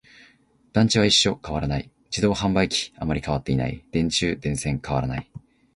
団地は一緒、変わらない。自動販売機、あまり変わっていない。電柱、電線、変わらない。